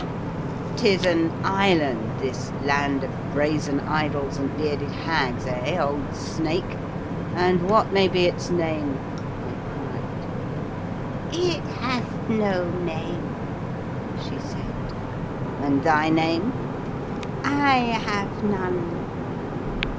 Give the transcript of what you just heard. " 'Tis an island, this land of brazen idols and bearded hags, eh, old snake? and what may be its name? " I cried. *• It hath no name," she said. " And thy name? "" I have none."